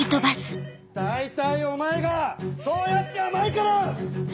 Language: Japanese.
大体お前がそうやって甘いから！